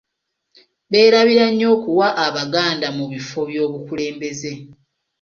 Beerabira nnyo okuwa Abaganda mu bifo byobukulembeze.